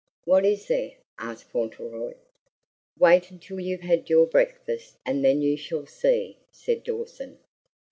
"What is there?" asked Fauntleroy. "Wait until you've had your breakfast, and then you shall see," said Dawson.